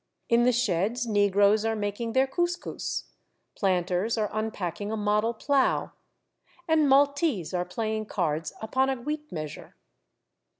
In the sheds negroes are making their couscous, planters are unpacking a model plough, and Mal tese are playing cards upon a wheat measure.